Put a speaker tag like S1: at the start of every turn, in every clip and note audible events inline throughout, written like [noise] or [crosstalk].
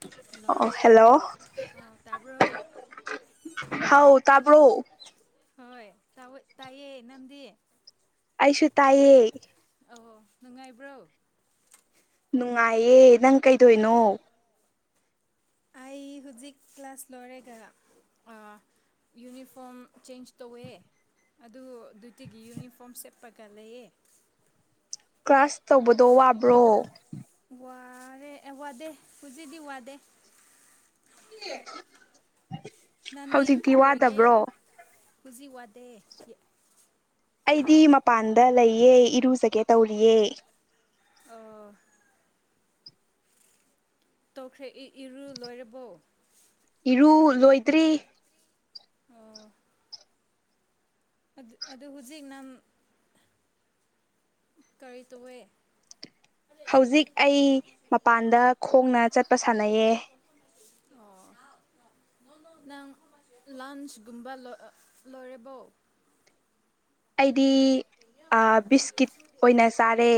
S1: hello
S2: ꯑꯣ hello
S1: ꯑ ꯇꯥꯕ꯭ꯔꯣ
S2: ꯍꯥꯎ ꯇꯥꯕ꯭ꯔꯣ
S1: ꯍꯣꯏ ꯇꯥꯎꯋꫭ ꯇꯥꯏꯌꯦ ꯅꯪꯗꯤ
S2: ꯑꯩꯁꯨ ꯇꯥꯏꯌꯦ
S1: ꯑꯧ ꯅꯨꯡꯉꯥꯏꯕ꯭ꯔꯣ
S2: ꯅꯨꯡꯉꯥꯏꯌꯦ ꯅꯪ ꯀꯩꯗꯣꯏꯅꯣ
S1: ꯑꯩ ꯍꯨꯖꯤꯛ ꯀ꯭ꯂꯥꯁ ꯂꯣꯏꯔꯦꯒ ꯑ ꯌꯨꯅꯤꯐꯣꯔꯝ ꯆꯦꯟꯖ ꯇꯧꯋꯦ ꯑꯗꫭ ꯗꯨꯇꯤꯒꯤ ꯌꯨꯅꯤꯐꯣꯔꯝ ꯁꯦꯠꯄꯒ ꯂꯩꯌꯦ
S2: ꯀ꯭ꯂꯥꯁ ꯇꯧꯕꯗꯣ ꯋꯥꯕ꯭ꯔꯣ
S1: ꯋꯥꯔꯦ ꯋꯥꯗꯦ ꯍꯨꯖꯤꯛꯗꯤ ꯋꯥꯗꯦ
S2: ꯍꯧꯖꯤꯛꯇꯤ ꯋꯥꯗꯕ꯭ꯔꯣ
S1: ꯍꯨꯖꯤꯛ ꯋꯥꯗꯦ
S2: ꯑꯩꯗꯤ ꯃꯄꯥꯟꯗ ꯂꯩꯌꯦ ꯏꯔꯨꯖꯒꯦ ꯇꯧꯔꯤꯌꯦ
S1: ꯑ ꯇꯧꯈ꯭ꯔꯦ ꯏ ꯏꯔꯨ ꯂꯣꯏꯔꯕꯣ
S2: ꯏꯔꯨ ꯂꯣꯏꯗ꯭ꯔꯤ
S1: ꯑꯗꯨ ꯑꯗꯨ ꯍꯧꯖꯤꯛ ꯅꯝ ꯀꯔꯤꯇꯋꯦ
S2: ꯍꯧꯖꯤꯛ ꯑꯩ ꯃꯄꯥꯟꯗ ꯈꯣꯡꯅ ꯆꯠꯄ ꯁꯥꯟꯅꯩꯌꯦ
S1: ꯑꯣ ꯅꯪ ꯂꯟꯆꯒꯨꯝꯕ ꯂ ꯂꯣꯏꯦꯔꯕꯣ
S2: ꯑꯩꯗꯤ ꯑ ꯕꯤꯁꯀꯤꯠ ꯑꯣꯏꯅ ꯆꯥꯔꯦ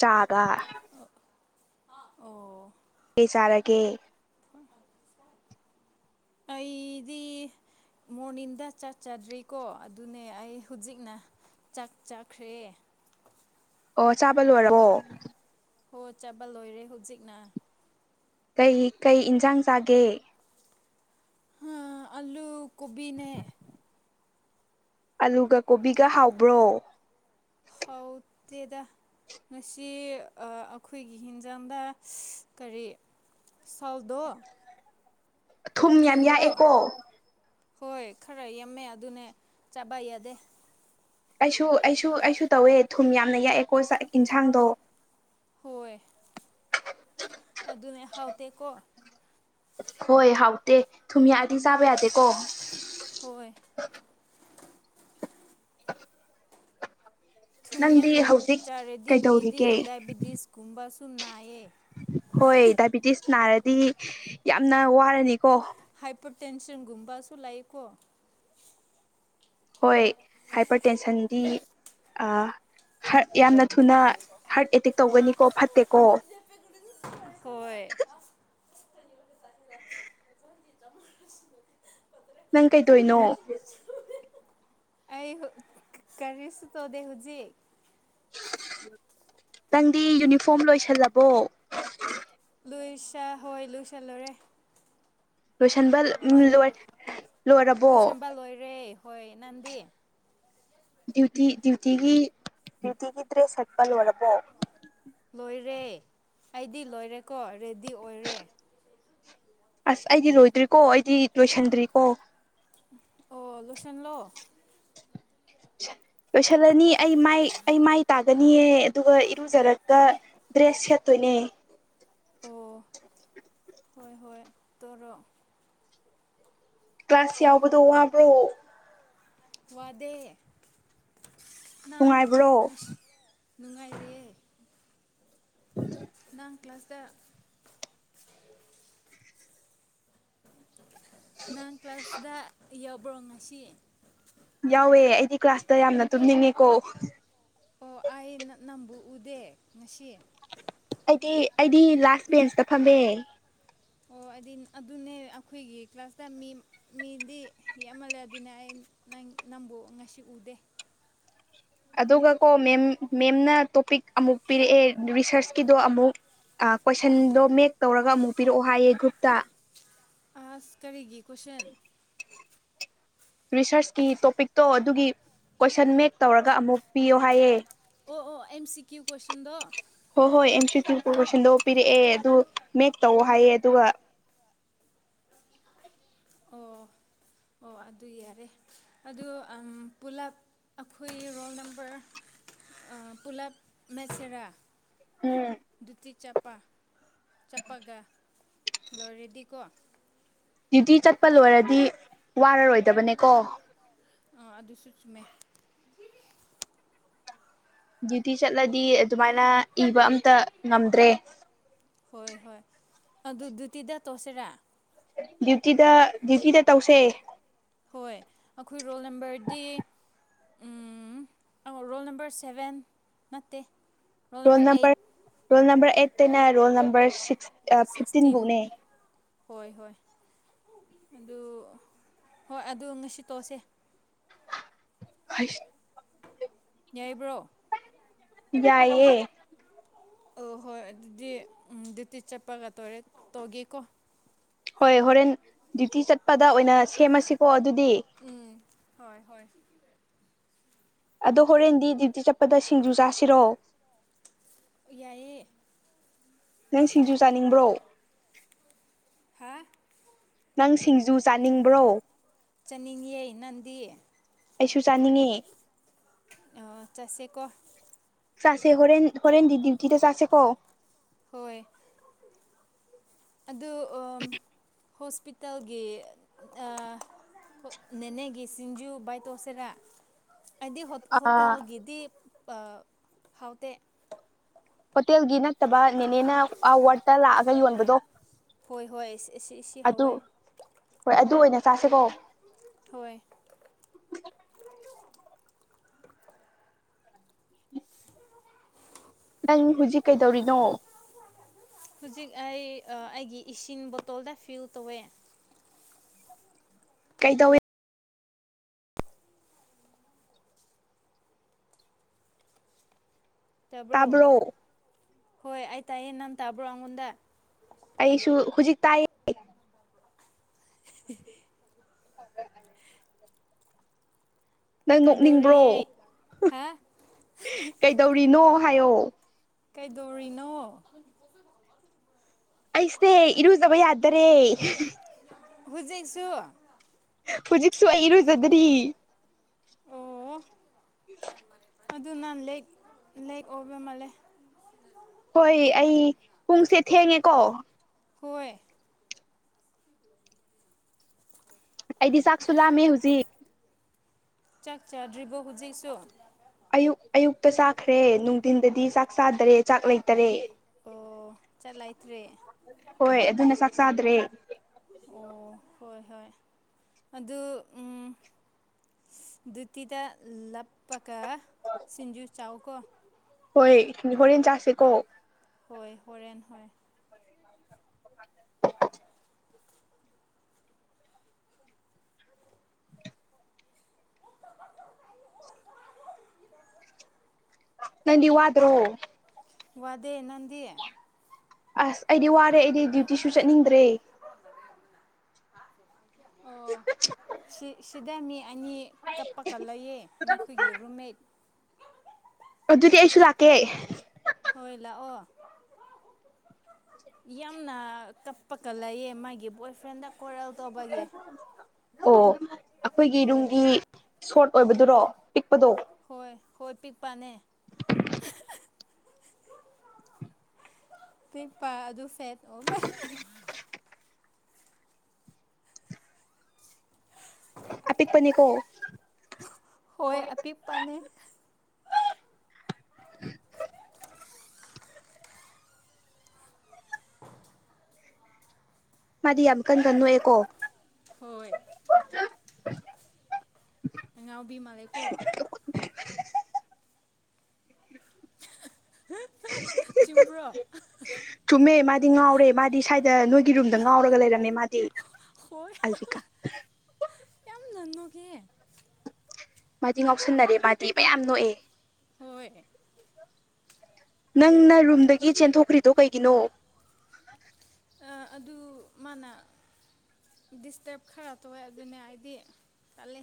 S2: ꯆꯥꯒ
S1: ꯑꯣ
S2: ꯀꯩ ꯆꯥꯔꯒꯦ
S1: [unintelligible] ꯑꯩꯗꯤ ꯃꯣꯅꯤꯡꯗ ꯆꯥꯛꯆꯥꯗ꯭ꯔꯤꯀꯣ ꯑꯗꯨꯅꯦ ꯑꯩ ꯍꯨꯖꯤꯛꯅ ꯆꯥꯛ ꯆꯥꯈ꯭ꯔꯦ
S2: ꯑꯣ ꯆꯥꯕ ꯂꯣꯏꯔꯕꯣ
S1: ꯍꯣ ꯆꯥꯕ ꯂꯣꯏꯔꯦ ꯍꯨꯖꯤꯛꯅ
S2: ꯀꯩ ꯀꯩ ꯏꯟꯖꯥꯡ ꯆꯥꯒꯦ
S1: ꯍ ꯑꯜꯂꯨ ꯀꯣꯕꯤꯅꯦ
S2: ꯑꯜꯂꯨꯒ ꯀꯣꯕꯤꯒ ꯍꯥꯎꯕ꯭ꯔꯣ
S1: ꯍꯥꯎꯇꯦꯗ ꯉꯁꯤ ꯑ ꯑꯈꯣꯏꯒꯤ ꯍꯟꯖꯥꯡꯗ ꯀꯔꯤ ꯁꯥꯎꯗꯣ
S2: ꯊꯨꯝ ꯌꯥꯝ
S1: ꯊꯨꯟꯗꯣ
S2: ꯌꯥꯛꯑꯦꯀꯣ
S1: ꯍꯣꯏ ꯈꯔ ꯌꯥꯝꯃꯦ ꯑꯗꯨꯅꯦ ꯆꯥꯕ ꯌꯥꯗꯦ
S2: ꯑꯩꯁꯨ ꯑꯩꯁꯨ ꯑꯩꯁꯨ ꯇꯧꯋꯦ ꯊꯨꯝ ꯌꯥꯝꯅ ꯌꯥꯛꯑꯦꯀꯣ ꯆ ꯏꯟꯁꯥꯡꯗꯣ
S1: ꯍꯣꯏ ꯑꯗꯨꯅꯦ ꯍꯥꯎꯇꯦꯀꯣ
S2: ꯍꯣꯏ ꯍꯥꯎꯇꯦ ꯊꯨꯝ ꯌꯥꯛꯑꯗꯤ ꯆꯥꯕ ꯌꯥꯗꯦꯀꯣ
S1: ꯍꯣꯏ ꯊꯨꯝ
S2: ꯅꯪꯗꯤ
S1: ꯌꯥꯝꯅ
S2: ꯍꯧꯖꯤꯛ
S1: ꯆꯥꯔꯗꯤ ꯃꯤꯗꯤ
S2: ꯀꯩꯗꯧꯔꯤꯒꯦ
S1: ꯗꯥꯏꯕꯤꯇꯤꯁꯀꯨꯝꯕꯁꯨ ꯅꯥꯏꯌꯦ
S2: ꯍꯣꯏ ꯗꯥꯏꯕꯤꯇꯤꯁ ꯅꯥꯔꯗꯤ ꯌꯥꯝꯅ ꯋꯥꯔꯅꯤꯀꯣ
S1: ꯍꯥꯏꯄꯔꯇꯦꯟꯁꯟꯒꯨꯝꯕꯁꯨ ꯂꯩꯀꯣ
S2: ꯍꯣꯏ ꯍꯥꯏꯄꯔ ꯇꯦꯟꯁꯟꯗꯤ ꯑ ꯍ꯭ꯔꯠ ꯌꯥꯝꯅ ꯊꯨꯅ ꯍꯥ꯭ꯔꯠ ꯑꯦꯇꯦꯛ ꯇꯧꯒꯅꯤꯀꯣ ꯐꯠꯇꯦꯀꯣ
S1: ꯍꯣꯏ [unintelligible] [unintelligible]
S2: ꯅꯪ ꯀꯩꯗꯣꯏꯅꯣ
S1: ꯑꯩ ꯍꯨ ꯀꯔꯤꯁꯨ ꯇꯧꯗꯦ ꯍꯨꯖꯤꯛ
S2: ꯅꯪꯗꯤ ꯌꯨꯅꯤꯐꯣꯝ ꯂꯣꯏꯁꯜꯂꯕꯣ
S1: ꯂꯨꯏ ꯁ ꯍꯣꯏ ꯂꯨꯏꯁꯂꯨꯔꯦ
S2: ꯂꯣꯏꯁꯟꯕ ꯎꯝ
S1: ꯅꯟ
S2: ꯂꯣꯏ ꯂꯣꯏꯔꯕꯣ
S1: ꯂꯣꯏꯁꯟꯕ ꯂꯣꯏꯔꯦ ꯍꯣꯏ ꯅꯪꯗꯤ
S2: ꯗ꯭ꯌꯨꯇꯤ ꯗ꯭ꯌꯨꯇꯤꯒꯤ ꯗ꯭ꯌꯨꯇꯤꯒꯤ ꯗ꯭ꯔꯦꯁ ꯁꯦꯠꯄ ꯂꯣꯏꯔꯕꯣ
S1: ꯂꯣꯏꯔꯦ ꯑꯩꯗꯤ ꯂꯣꯏꯔꯦꯀꯣ ꯔꯦꯗꯤ ꯑꯣꯏꯔꯦ
S2: ꯑꯁ ꯑꯩꯗꯤ ꯂꯣꯏꯗ꯭ꯔꯤꯀꯣ ꯑꯩꯗꯤ ꯂꯣꯏꯁꯟꯗ꯭ꯔꯤꯀꯣ
S1: ꯑꯣ ꯂꯣꯏꯁꯟꯂꯣ
S2: ꯂꯣꯏꯁꯜꯂꯅꯤ ꯑꯩ ꯃꯥꯏ ꯑꯩ ꯃꯥꯏ ꯇꯥ ꯒꯅꯤꯌꯦ ꯑꯗꯨꯒ ꯏꯔꯨꯖꯔꯒ ꯗ꯭ꯔꯦꯁ ꯁꯦꯠꯇꯣꯏꯅꯦ
S1: ꯑꯣ ꯍꯣꯏ ꯍꯣꯏ ꯇꯧꯔꯣ
S2: ꯀ꯭ꯂꯥꯁ ꯌꯥꯎꯕꯗꯣ ꯋꯥꯕ꯭ꯔꯣ
S1: ꯋꯥꯗꯦ ꯅꯪ
S2: ꯅꯨꯡꯉꯥꯏꯕ꯭ꯔꯣ
S1: ꯅꯨꯡꯉꯥꯏꯔꯦ
S2: ꯎꯝ [inaudible]
S1: ꯅꯪ ꯀ꯭ꯂꯥꯁꯇ ꯅꯪ ꯀ꯭ꯂꯥꯁꯗ ꯌꯥꯎꯕ꯭ꯔꯣ ꯉꯁꯤ
S2: ꯌꯥꯎꯋꯦ ꯑꯩꯗꯤ ꯀ꯭ꯂꯥꯁꯇ ꯌꯥꯝꯅ ꯇꯨꯝꯅꯤꯡꯉꯦꯀꯣ
S1: ꯑꯣ ꯑꯩꯅ ꯅꯪꯕꯨ ꯎꯗꯦ ꯉꯁꯤ
S2: ꯑꯩꯗꯤ ꯑꯩꯗꯤ ꯂꯥꯁ ꯕꯦꯟꯁꯇ ꯐꯝꯃꯦ
S1: ꯑꯣ ꯑꯩꯗꯤ ꯑꯗꯨꯅꯦ ꯑꯩꯈꯣꯏꯒꯤ ꯀ꯭ꯂꯥꯁꯇ ꯃꯤ ꯃꯤꯗꯤ ꯌꯥꯝꯃꯜꯂꯦ ꯑꯗꯨꯅꯦ ꯑꯩ ꯅꯪ ꯅꯪꯕꯨ ꯉꯁꯤ ꯎꯗꯦ
S2: ꯑꯗꯨꯒ ꯀꯣ ꯃꯦꯝ ꯃꯦꯝꯅ ꯇꯣꯄꯤꯛ ꯑꯃꯨꯛ ꯄꯤꯔꯛꯑꯦ ꯔꯤꯁꯔꯁꯀꯤꯗꯣ ꯑꯃꯨꯛ ꯀꯣꯏꯁꯟꯗꯣ ꯃꯦꯛ ꯇꯧꯔꯒ ꯑꯃꯨꯛ ꯄꯤꯔꯛꯑꯣ ꯍꯥꯏꯌꯦ ꯒ꯭ꯔꯨꯞꯇ
S1: ꯑꯥꯁ ꯀꯔꯤꯒꯤ ꯀꯣꯏꯁꯟ
S2: ꯔꯤꯁ꯭ꯔꯁꯀꯤ ꯇꯣꯄꯤꯛꯇꯣ ꯑꯗꯨꯒꯤ ꯀꯣꯏꯁꯟ ꯃꯦꯛ ꯇꯧꯔꯒ ꯑꯃꯨꯛ ꯄꯤꯌꯣ ꯍꯥꯏꯌꯦ
S1: ꯑꯣ ꯑꯣ ꯑꯦꯝ ꯁꯤ ꯀ꯭ꯌꯨ ꯀꯣꯏꯁꯁꯟꯗ
S2: ꯍꯣꯏ ꯍꯣꯏ ꯑꯦꯝ ꯁꯤ ꯇꯨ ꯄꯣ ꯀꯣꯏꯁꯟꯗꯣ ꯄꯤꯔꯛꯑꯦ ꯑꯗꯨ ꯃꯦꯛ ꯇꯧ ꯍꯥꯏꯌꯦ ꯑꯗꯨꯒ
S1: ꯑꯣ ꯑꯣ ꯑꯗꯨ ꯌꯥꯔꯦ ꯑꯗꯨ ꯑꯥ ꯄꯨꯂꯞ ꯑꯩꯈꯣꯏ ꯔꯣꯜ ꯅꯝꯕꯔ ꯑꯥ ꯄꯨꯂꯞ ꯃꯦꯠꯁꯤꯔꯥ
S2: ꯎꯝ
S1: ꯑꯗꯨꯇꯤ ꯆꯞꯄ ꯆꯞꯄꯒ ꯂꯣꯏꯔꯗꯤꯀꯣ
S2: ꯗ꯭ꯌꯨꯇꯤ ꯆꯠꯄ ꯂꯣꯏꯔꯗꯤ ꯋꯥꯔꯔꯣꯏꯗꯕꯅꯦꯀꯣ
S1: ꯑꯥ ꯑꯗꯨꯁꯨ ꯆꯨꯝꯃꯦ
S2: ꯗ꯭ꯌꯨꯇꯤ ꯆꯠꯂꯗꯤ ꯑꯗꯨꯃꯥꯏꯅ ꯏꯕ ꯑꯝꯇ ꯉꯝꯗ꯭ꯔꯦ
S1: ꯍꯣꯏ ꯍꯣꯏ ꯑꯗꯨ ꯗ꯭ꯌꯨꯇꯤꯗ ꯇꯧꯁꯤꯔꯥ
S2: ꯗ꯭ꯌꯨꯇꯤꯗ ꯗ꯭ꯌꯨꯇꯤꯗ ꯇꯧꯁꯦ
S1: ꯍꯣꯏ ꯑꯩꯈꯣꯏ ꯔꯣꯜ ꯅꯝꯕꯔꯗꯤ ꯎꯝ ꯑꯥ ꯔꯣꯜ ꯅꯝꯕꯔ ꯁꯚꯦꯟ ꯅꯠꯇꯦ
S2: ꯔꯣꯜ ꯅꯝꯕꯔ ꯔꯣꯜ ꯅꯝꯕꯔ ꯑꯩꯠꯇꯩꯅ ꯔꯣꯜ ꯅꯝꯕꯔ ꯁꯤꯛꯁ
S1: ꯁꯤꯛꯁꯇꯤꯟ
S2: ꯐꯤꯐꯇꯤꯟꯕꯨꯛꯅꯦ
S1: ꯍꯣꯏ ꯍꯣꯏ ꯑꯗꯨ ꯍꯣꯏ ꯑꯗꯨ ꯉꯁꯤ ꯇꯧꯁꯦ
S2: ꯍꯩꯁ
S1: ꯌꯥꯏꯕ꯭ꯔꯣ
S2: ꯌꯥꯏꯌꯦ
S1: ꯑꯣ ꯍꯣꯏ ꯑꯗꯨꯗꯤ ꯗ꯭ꯌꯨꯇꯤ ꯆꯠꯄꯒ ꯇꯧꯔꯦ ꯇꯧꯒꯦꯀꯣ
S2: ꯍꯣꯏ ꯍꯣꯔꯦꯟ ꯗ꯭ꯌꯨꯇꯤ ꯆꯠꯄꯗ ꯑꯣꯏꯅ ꯁꯦꯝꯃꯁꯤꯀꯣ ꯑꯗꯨꯗꯤ
S1: ꯎꯝ ꯍꯣꯏ ꯍꯣꯏ
S2: ꯑꯗꯣ ꯍꯣꯔꯦꯟꯗꯤ ꯗ꯭ꯌꯨꯇꯤ ꯆꯠꯄꯗ ꯁꯤꯡꯖꯨ ꯆꯥꯁꯤꯔꯣ
S1: ꯌꯥꯏꯑꯦ
S2: ꯅꯪ ꯁꯤꯡꯖꯨ ꯆꯥꯅꯤꯡꯕ꯭ꯔꯣ
S1: ꯍꯥ
S2: ꯅꯪ ꯁꯤꯡꯖꯨ ꯆꯥꯅꯤꯡꯕ꯭ꯔꯣ
S1: ꯆꯥꯅꯤꯡꯉꯦ ꯅꯪꯗꯤ
S2: ꯑꯩꯁꯨ ꯆꯥꯅꯤꯡꯉꯦ
S1: ꯑꫭ ꯆꯥꯁꯦ ꯀꯣ
S2: ꯆꯥꯁꯦ ꯍꯣꯔꯦꯟ ꯍꯣꯔꯦꯟꯗꯤ ꯗ꯭ꯌꯨꯇꯤꯗ ꯆꯥꯁꯦꯀꯣ
S1: ꯍꯣꯏ ꯑꯗꫭ ꯑꫭꯝ ꯍꯣꯁꯄꯤꯇꯥꯜꯒꯤ ꯑ ꯅꯦꯅꯦꯒꯤ ꯁꯤꯡꯖꯨ ꯕꯥꯏ ꯇꫭꯁꯦꯔ ꯑꯩꯗꯤ ꯍꫭꯠ ꯍꯣꯇꯦꯒꯤꯗꯤ ꯄ ꯍꯥꯎꯇꯦ
S2: ꯍꯣꯇꯦꯜꯒꯤ ꯅꯠꯇꯕ ꯅꯦꯅꯦꯅ ꯑ ꯋꯥꯔꯠ ꯂꯥꯛꯑꯒ ꯌꯣꯟꯕꯗꯣ
S1: ꯍꯣꯏ ꯍꯣꯏ ꯑꯁꯤ ꯏꯁ ꯁꯤ
S2: ꯑꯗꯨ
S1: ꯍꯧꯋꯦ
S2: ꯍꯣꯏ ꯑꯗꯨ ꯑꯣꯏꯅ ꯆꯥꯁꯤꯀꫭ
S1: ꯍꯣꯏ
S2: ꯅꯪ ꯍꯧꯖꯤꯛ ꯀꯩꯗꯧꯔꯤꯅꯣ
S1: [unintelligible] ꯍꯧꯖꯤꯛ ꯑꯩ ꯑ ꯑꯩꯒꯤ ꯏꯁꯤꯡ ꯕꯣꯇꯜꯗ ꯐꯤꯜ ꯇꯧꯋꯦ
S2: ꯀꯩꯗꯧꯋꯤ
S1: ꯇꯕ꯭ꯔꯣ
S2: ꯇꯥꯕ꯭ꯔꯣ
S1: ꯍꯣꯏ ꯑꯩ ꯇꯥꯏꯌꯦ ꯅꯪ ꯇꯥꯕ꯭ꯔꯣ ꯑꯩꯉꯣꯟꯗ
S2: ꯑꯩꯁꯨ ꯍꯨꯖꯤꯛ ꯇꯥꯏ
S1: [unintelligible]
S2: [inaudible] ꯅꯪ ꯅꯣꯛꯅꯤꯡꯕ꯭ꯔꯣ
S1: ꯀꯩꯗꯧꯔꯤꯌꯦ ꯍꯥ
S2: ꯀꯩꯗꯧꯔꯤꯅꯣ ꯍꯥꯏꯌꯣ
S1: ꯀꯩꯗꯧꯔꯤꯅꯣ
S2: ꯑꯩꯁꯦ ꯏꯔꯨꯖꯕ ꯌꯥꯗꯔꯦ
S1: ꯍꯨꯖꯤꯛꯁꯨ
S2: ꯍꯨꯖꯤꯛꯁꯨ ꯑꯩ ꯏꯔꯨꯖꯗꯔꯤ
S1: ꯑꯣ ꯑꯗꯨ ꯅ ꯂꯦꯛ ꯂꯦꯛ ꯑꯣꯏꯕ ꯃꯥꯜꯂꯦ
S2: ꯍꯣꯏ ꯑꯩ ꯄꯨꯡꯁꯦ ꯊꯦꯡꯉꯦꯀꯣ
S1: ꯈꫭꯏ
S2: ꯑꯩꯗꯤ ꯆꯥꯛꯁꯨ ꯂꯥꯝꯃꯦ ꯍꯨꯖꯤꯛ
S1: ꯆꯥꯛ ꯆꯥꯗ꯭ꯔꯤꯕꯣ ꯍꯨꯖꯤꯛꯁꯨ
S2: ꯑꯌꯨꯛ ꯑꯌꯨꯛꯇ ꯆꯥꯈ꯭ꯔꯦ ꯅꯨꯡꯗꯤꯟꯗꯗꯤ ꯆꯥꯛ ꯆꯥꯗꯔꯦ ꯆꯥꯛ ꯂꯩꯇꯔꯦ
S1: ꯆꯠ ꯂꯥꯏꯇ꯭ꯔꯦ
S2: ꯍꯣꯏ ꯑꯗꯨꯅ ꯆꯥꯛ ꯆꯥꯗ꯭ꯔꯦ
S1: ꯑꯣ ꯍꯣꯏ ꯍꯣꯏ ꯑꯗꯨ ꯎꯝ ꯗꯨꯇꯤꯗ ꯂꯞꯄꯒ ꯁꯤꯟꯖꯨ ꯆꯥꯎ ꯀꯣ
S2: ꯍꯣꯏ ꯍꯣꯔꯦꯟ ꯆꯥꯁꯦꯀꯣ
S1: ꯍꯣꯏ ꯍꯣꯔꯦꯟ ꯍꯣꯏ
S2: ꯅꯪꯗꯤ ꯋꯥꯗ꯭ꯔꯣ
S1: ꯋꯥꯗꯦ ꯅꯟꯗꯤ
S2: ꯑꯁ ꯑꯩꯗꯤ ꯋꯥꯔꯦ ꯑꯩꯗꯤ ꯗ꯭ꯌꯨꯇꯤꯁꯨ ꯆꯠꯅꯤꯡꯗ꯭ꯔꯦ
S1: ꯑꯣ ꯁꯤ ꯁꯤꯗ ꯃꯤ ꯑꯅꯤ ꯀꯞꯄꯒ ꯂꯩꯑꯦ ꯅꯈꯣꯏꯒꯤ ꯔꯨꯝꯃꯦꯠ
S2: ꯑꯗꯨꯗꯤ ꯑꯩꯁꯨ ꯂꯥꯛꯀꯦ
S1: ꯍꯣꯏ ꯂꯥꯛꯑꯣ ꯌꯥꯝꯅ ꯀꯞꯄꯀ ꯂꯩꯌꯦ ꯃꯥꯒꯤ ꯕꯣꯏ ꯐ꯭ꯔꯦꯟꯗ ꯀꯣꯔꯦꯜ ꯇꯧꯕꯒꯤ
S2: ꯑꯣ ꯑꯩꯈꯣꯏꯒꯤ
S1: ꯍꯣꯏ
S2: ꯔꯨꯝꯒꯤ ꯁꯣꯔꯠ ꯑꯣꯏꯕꯗꯨꯔꯣ ꯄꯤꯛꯄꯗꯣ
S1: ꯍꯣꯏ ꯍꯣꯏ ꯄꯤꯛꯄꯅꯦ ꯄꯤꯛꯄꯥ ꯑꯗꯨ ꯐꯦꯠ ꯑꯣꯏꯕꯔꯥ [unintelligible]
S2: ꯑꯄꯤꯛꯄꯅꯦꯀꯣ
S1: ꯍꯣꯏ ꯑꯄꯤꯛꯄꯅꯦ
S2: ꯃꯥꯗꯤ ꯌꯥꯝ ꯀꯟ ꯀꯟ ꯅꯣꯛꯑꯦꯀꯣ
S1: ꯍꯣꯏ ꯑꯉꯥꯎꯕꯤ ꯃꯥꯜꯂꯦ ꯀꯣ
S2: ꯍꯤ [unintelligible]
S1: ꯆꯨꯝꯕ꯭ꯔꯣ
S2: ꯆꯨꯝꯃꯦ ꯃꯥꯗꯤ ꯉꯥꯎꯔꯦ ꯃꯥꯗꯤ ꯁ꯭ꯋꯥꯏꯗ ꯅꯣꯏꯒꯤ ꯔꯨꯝꯗ ꯉꯥꯎꯔꯒ ꯂꯩꯔꯝꯃꯦ ꯃꯥꯗꯤ
S1: ꯍꯣꯏ ꯍꯥ
S2: ꯑꯜꯕꯤꯀꯥ
S1: [unintelligible] ꯌꯥꯝꯅ ꯅꯣꯛ ꯑꯦ
S2: ꯃꯥꯗꯤ ꯉꯥꯎꯁꯟꯅꯔꯦ ꯃꯥꯗꯤ ꯃꯌꯥꯝ ꯅꯣꯛꯑꯦ
S1: ꯍꯣꯏ
S2: ꯅꯪꯅ ꯔꯨꯝꯗꯒꯤ ꯆꯦꯟꯊꯣꯛꯈ꯭ꯔꯤꯗꯣ ꯀꯩꯒꯤꯅꯣ
S1: ꯑꯥ ꯑꯗꯨ ꯃꯥꯅ ꯗꯤꯁꯇ꯭ꯔꯕ ꯈꯔ ꯇꯧꯑꯦ ꯑꯗꯨꯅꯦ [unintelligible] ꯑꯩꯗꯤ ꯇꯜꯂꯦ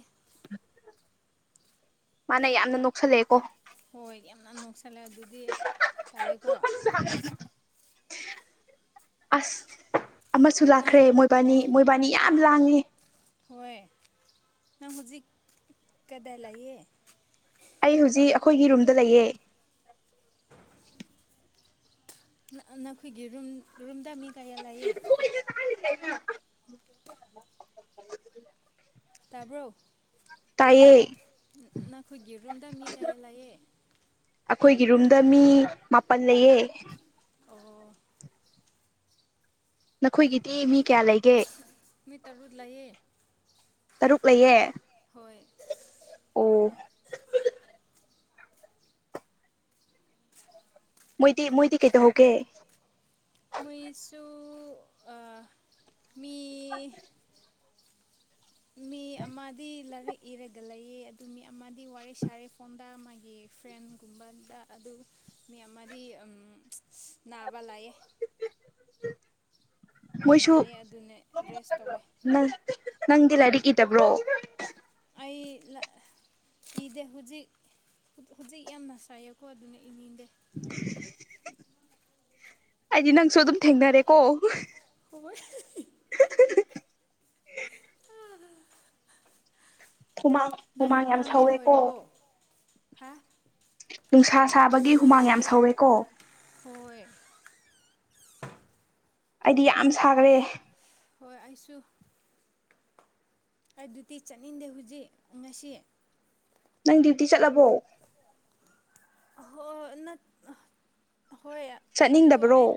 S2: ꯃꯥꯅ ꯌꯥꯝꯅ ꯅꯣꯛꯁꯜꯂꯦꯀꯣ
S1: ꯍꯣꯏ ꯌꯥꯝꯅ ꯅꯣꯛꯁꯜꯂꯦ ꯑꯗꯨꯗꯤ ꯇꯜꯂꯦꯀꯣ
S2: ꯑ꯭ꯁ ꯑꯃꯁꯨ
S1: ꯅꯪ
S2: ꯂꯥꯛꯈ꯭ꯔꯦ ꯃꯣꯏꯕꯥꯅꯤ ꯃꯣꯏꯕꯥꯅꯤ ꯌꯥꯝ ꯂꯥꯡꯉꯦ
S1: ꯍꯣꯏ ꯅꯪ ꯍꯧꯖꯤꯛ ꯀꯗꯥꯏ ꯂꯩꯌꯦ
S2: ꯑꯩ ꯍꯧꯖꯤꯛ ꯑꯩꯈꯣꯏꯒꯤ ꯔꯨꯝꯗ ꯂꯩꯌꯦ
S1: ꯅꯈꯣꯏꯒꯤ ꯔꯨꯝ ꯔꯨꯝꯗ ꯃꯤ ꯀꯌꯥ ꯂꯩꯌꯦ
S2: ꯆ [inaudible]
S1: ꯇꯥꯕ꯭ꯔꯣ
S2: ꯇꯥꯏꯌꯦ
S1: ꯅ ꯅꯥꯈꯣꯏꯒꯤ ꯔꯨꯝꯗ ꯃꯤ ꯀꯌꯥ ꯂꯩꯌꯦ
S2: ꯑꯩꯈꯣꯏꯒꯤ ꯔꯨꯝꯗ ꯃꯤ ꯃꯥꯄꯟ ꯂꯩꯌꯦ
S1: ꯑꯣ
S2: ꯅꯈꯣꯏꯒꯤꯗꯤ ꯃꯤ ꯀꯌꯥ ꯂꯩꯒꯦ
S1: ꯃꯤ ꯇꯔꯨꯛ ꯂꯩꯌꯦ
S2: ꯇꯔꯨꯛ ꯂꯩꯌꯦ
S1: ꯍꯣꯏ
S2: ꯑꯣ ꯃꯣꯏꯗꯤ ꯃꯣꯏꯗꯤ ꯀꯩ ꯇꯧꯍꯧꯒꯦ
S1: ꯃꯣꯏꯁꯨ ꯃꯤ ꯃꯤ ꯑꯃꯗꯤ ꯂꯔꯤꯛ ꯏꯔꯒ ꯂꯩꯌꯦ ꯑꯗꯨ ꯃꯤ ꯑꯃꯗꯤ ꯋꯥꯔꯤ ꯁꯥꯔꯦ ꯐꯣꯟꯗ ꯃꯥꯒꯤ ꯐ꯭ꯔꯦꯟꯒꯨꯝꯕꯗ ꯑꯗꯨ ꯃꯤ ꯑꯃꯗꯤ ꯎꯝ ꯕꯂꯑꯦ [unintelligible] ꯅꯥꯏꯌꯦ ꯑꯗꯨꯅꯦ ꯔꯦꯁ ꯇꯧꯋꯦ
S2: ꯎ [unintelligible] [inaudible] ꯅꯪꯗꯤ ꯂꯥꯏꯔꯤꯛ ꯏꯗꯕ꯭ꯔꯣ
S1: ꯑꯩ ꯂ [unintelligible] ꯏꯗꯦ ꯍꯧꯖꯤꯛ ꯍꯧꯖꯤꯛ ꯌꯥꯝꯅ ꯁꯥꯏꯌꯦꯀꯣ ꯑꯗꯨꯅ ꯏꯅꯤꯡꯗꯦ
S2: ꯑꯩꯗꯤ ꯅꯪꯁꯨ ꯑꯗꯨꯝ ꯊꯦꯡꯅꯔꯦꯀꯣ
S1: ꯍꯣꯢ ꯑꯥ
S2: ꯍꯨꯃꯥꯡ ꯍꯨꯃꯥꯡ ꯌꯥꯝ
S1: ꯅꯪꯗꯤ
S2: ꯁꯧꯋꯦꯀꯣ
S1: ꯂꯣꯏꯔꯕꯣ ꯍꯥ
S2: ꯅꯨꯡꯁꯥ ꯁꯥꯕꯒꯤ ꯍꯨꯃꯥꯡ ꯌꯥꯝ ꯁꯧꯋꯦꯀꯣ
S1: ꯍꯣꯏ
S2: ꯑꯩꯗꯤ ꯌꯥꯝ ꯁꯥꯒ꯭ꯔꯦ
S1: ꯍꯣꯏ ꯑꯩꯁꯨ ꯑꯗꯨꯗꯤ ꯆꯠꯅꯤꯡꯗꯦ ꯍꯧꯖꯤꯛ ꯉꯁꯤ
S2: ꯅꯪ ꯗ꯭ꯌꯨꯇꯤ ꯆꯠꯂꯕꯣ
S1: ꯍꯣꯏ ꯅꯠ ꯍꯣꯏ ꯑꯗꯨ
S2: ꯆꯠꯅꯤꯡꯗꯕ꯭ꯔꯣ
S1: ꯑꯩ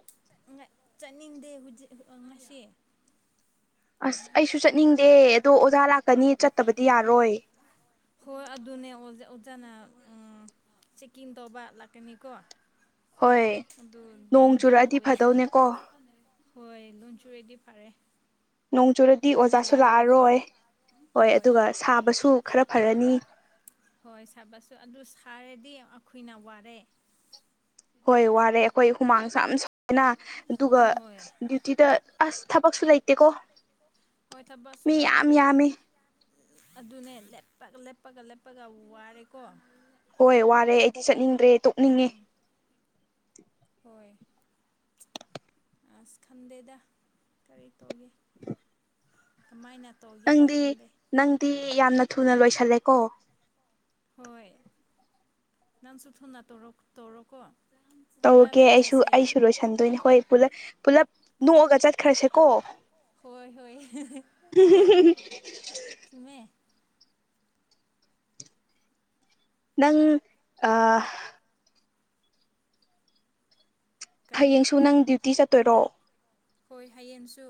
S1: ꯆꯠꯅꯤꯡꯗꯦ ꯍꯧꯖꯤꯛ ꯉꯁꯤ
S2: ꯑꯁ ꯑꯩꯁꯨ ꯆꯠꯅꯤꯡꯗꯦ ꯑꯗꯣ ꯑꯣꯖꯥ ꯂꯥꯛꯀꯅꯤ ꯆꯠꯇꯕꯗꯤ ꯌꯥꯔꯣꯏ
S1: ꯍꯣꯏ ꯑꯗꯨꯅꯦ ꯑꯣꯖꯥꯅ ꯎꯝ ꯆꯦꯛꯀꯤꯡ ꯇꯧꯕ ꯂꯥꯛꯀꯅꯤꯀꯣ
S2: ꯍꯣꯏ
S1: ꯑꯗꯨ
S2: ꯅꯣꯡ
S1: ꯗꯦꯟꯖꯔ
S2: ꯆꯨꯔꯛꯑꯗꯤ
S1: ꯑꯣꯏ
S2: ꯐꯗꯧꯅꯦꯀꯣ
S1: ꯍꯣꯏ ꯅꯣꯡ ꯆꯨꯔꯗꯤ ꯐꯔꯦ
S2: ꯅꯣꯡ ꯆꯨꯔꯗꯤ
S1: ꯃꯣꯏꯅ
S2: ꯑꯣꯖꯥꯁꯨ
S1: ꯂꯥꯛꯔꯣꯏꯀꯣ
S2: ꯂꯥꯛꯑꯔꯣꯏ ꯍꯣꯏ ꯑꯗꯨꯒ ꯁꯥꯕꯁꯨ ꯈꯔ ꯐꯔꯅꯤ
S1: ꯍꯣꯏ ꯁꯥꯕꯁꯨ ꯑꯗꯨ ꯁꯥꯔꯗꯤ ꯑꯩꯈꯣꯏꯅ ꯋꯥꯔꯦ
S2: ꯍꯣꯏ ꯋꯥꯔꯦ ꯑꯩꯈꯣꯏ ꯍꯨꯃꯥꯡꯁꯨ ꯁꯥꯏꯅ ꯑꯗꯨꯒ
S1: ꯍꯣꯏ
S2: ꯗ꯭ꯌꯨꯇꯤꯗ ꯑꯁ ꯊꯕꯛꯁꯨ ꯂꯩꯇꯦꯀꯣ
S1: ꯍꯣꯏ ꯊꯕꯛꯁꯨ
S2: ꯃꯤ ꯌꯥꯝ
S1: ꯂꯩꯥꯇ꯭ꯔꯤ
S2: ꯌꯥꯝꯃꯤ
S1: ꯑꯗꯨꯅꯦ ꯂꯦꯞꯄꯒ ꯂꯦꯞꯄꯒ ꯂꯦꯞꯄꯒ ꯋꯥꯔꯦꯀꯣ
S2: ꯍꯣꯏ ꯋꯥꯔꯦ ꯑꯩꯗꯤ ꯆꯠꯅꯤꯡꯗ꯭ꯔꯦ ꯇꯣꯛꯅꯤꯡꯉꯦ
S1: ꯎꯝ ꯍꯣꯏ ꯑꯁ ꯈꯟꯗꯦꯗ ꯀꯔꯤ ꯇꯧꯒꯦ
S2: ꯑ [inaudible]
S1: ꯀꯃꯥꯏꯅ ꯇꯧꯒꯦ
S2: ꯅꯪꯗꯤ
S1: ꯈꯟꯗꯦ
S2: ꯅꯪꯗꯤ ꯌꯥꯝꯅ ꯊꯨꯅ ꯂꯣꯏꯁꯜꯂꯦꯀꯣ
S1: ꯍꯣꯏ ꯅꯪꯁꯨ ꯊꯨꯅ ꯇꯧꯔꯣ ꯇꯧꯔꯣꯀꯣ ꯄꯨꯂꯞ
S2: ꯇꯧꯔꯒꯦ ꯑꯩꯁꯨ
S1: ꯆꯥꯁꯦ
S2: ꯑꯩꯁꯨ ꯂꯣꯏꯁꯟꯗꯣꯏꯅꯦ ꯍꯣꯏ ꯄꯨꯂꯞ ꯄꯨꯂꯞ ꯅꯣꯛꯑꯒ ꯆꯠꯈ꯭ꯔꯁꯤꯀꯣ
S1: ꯍꯣꯏ ꯍꯣꯏ ꯆꯨꯝꯃꯦ
S2: ꯅꯪ ꯑꯥ
S1: ꯀꯔꯤ
S2: ꯍꯌꯦꯡꯁꯨ ꯅꯪ ꯗ꯭ꯌꯨꯇꯤ ꯆꯠꯇꯣꯏꯔꯣ
S1: ꯍꯣꯏ ꯍꯌꯦꯡꯁꯨ